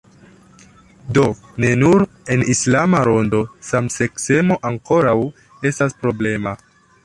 Do ne nur en islama rondo samseksemo ankoraŭ estas problema.